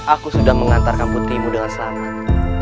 aku sudah mengantarkan putrimu dengan selamat